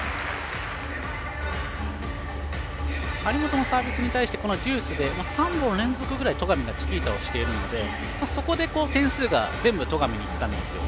張本のサービスに対してこのデュースで３本連続ぐらい戸上がチキータをしているのでそこで点数が全部、戸上にいったんですよ。